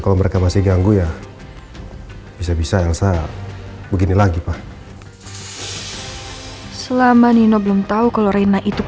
kalau mereka masih ganggu ya bisa bisa yang saya begini lagi pak selama nino belum tahu kalau rena itu